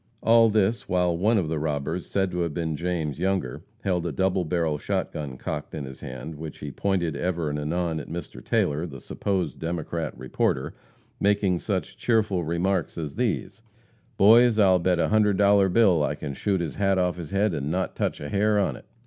All this while one of the robbers, said to have been James Younger, held a double barrel shot gun cocked in his hand, which he pointed ever and anon at Mr. Taylor, the supposed Democrat reporter, making such cheerful remarks as these: "Boys, I'll bet a hundred dollar bill I can shoot his hat off his head and not touch a hair on it."